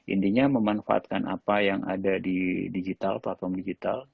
intinya memanfaatkan apa yang ada di digital platform digital